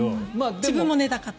自分も寝たかった。